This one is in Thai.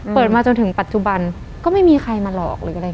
เปิดมาจนถึงปัจจุบันก็ไม่มีใครมาหลอก